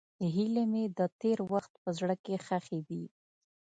هیلې مې د تېر وخت په زړه کې ښخې دي.